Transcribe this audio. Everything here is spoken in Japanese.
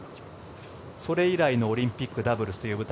それ以来のオリンピックダブルスという舞台